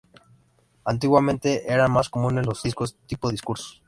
Antiguamente, eran más comunes los discos tipo "discurso".